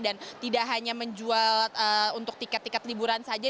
dan tidak hanya menjual untuk tiket tiket liburan saja